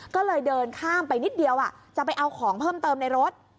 ก็เลยเดินข้ามไปนิดเดียวจะไปเอาของเพิ่มเติมในรถ